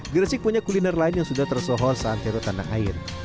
gresik punya kuliner lain yang sudah tersohos saat itu tanah air